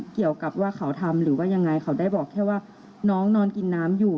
เกี่ยวกับว่าเขาทำหรือว่ายังไงเขาได้บอกแค่ว่าน้องนอนกินน้ำอยู่